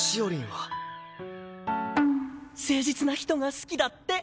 誠実な人が好きだって。